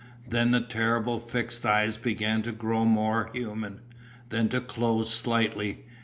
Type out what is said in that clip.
Then the terrible fixed eyes began to grow more human, then to close slightly.